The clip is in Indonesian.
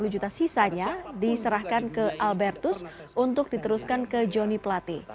tiga ratus lima puluh juta sisanya diserahkan ke albertus untuk diteruskan ke johnny plate